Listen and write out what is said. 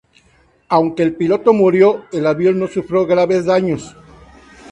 Aunque el piloto murió, el avión no sufrió graves daños.